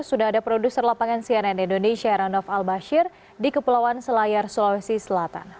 sudah ada produser lapangan cnn indonesia heranov al bashir di kepulauan selayar sulawesi selatan